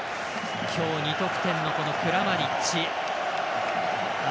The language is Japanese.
今日、２得点のクラマリッチ。